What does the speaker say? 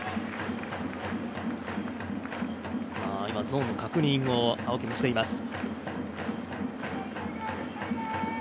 ゾーンの確認を青木がしています。